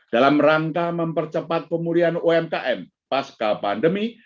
dalam rangka mempercepat pemulihan umkm pasca pandemi